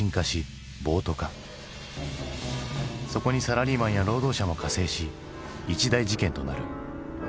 そこにサラリーマンや労働者も加勢し一大事件となる。